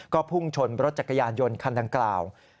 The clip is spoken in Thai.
ก็พุ่งชนรถจักรยานยนต์คันดังกล่าว